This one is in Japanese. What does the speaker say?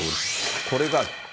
これが。